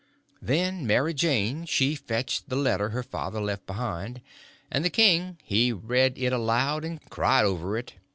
Then Mary Jane she fetched the letter her father left behind, and the king he read it out loud and cried over it.